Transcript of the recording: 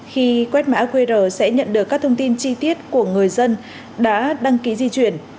khi quét mã qr sẽ nhận được các thông tin chi tiết của người dân đã đăng ký di chuyển